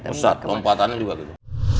pesat lompatannya juga gitu